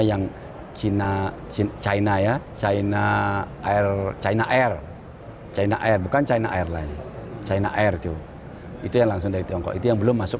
yang china china ya china air china air bukan china airline china air itu itu yang belum masuk